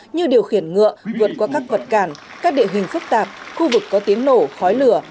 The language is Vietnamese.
như điều khiển ngựa vượt qua các vật cản các địa hình phức tạp khu vực có tiếng nổ khói lửa